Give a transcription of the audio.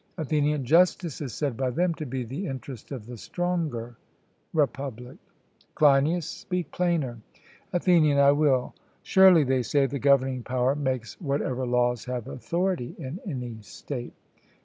ATHENIAN: Justice is said by them to be the interest of the stronger (Republic). CLEINIAS: Speak plainer. ATHENIAN: I will: 'Surely,' they say, 'the governing power makes whatever laws have authority in any state'?